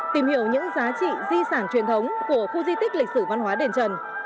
tìm hiểu những giá trị di sản truyền thống của khu di tích lịch sử văn hóa đền trần